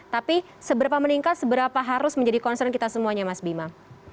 jadi seberapa meningkat seberapa harus menjadi concern kita semuanya mas bima